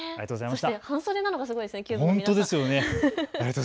半袖なのがすごいですね。